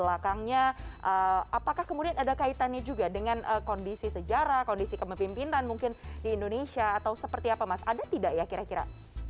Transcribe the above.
apakah kemudian ada kaitannya juga dengan kondisi sejarah kondisi kemimpinan mungkin di indonesia atau seperti apa mas ada tidak ya kira kira